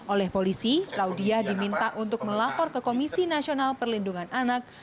oleh polisi raudiah diminta untuk melapor ke komisi nasional perlindungan anak